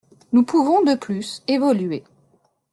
Nous pouvons, de plus, évoluer.